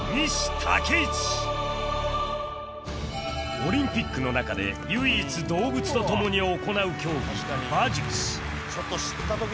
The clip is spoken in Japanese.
オリンピックの中で唯一動物と共に行う競技馬術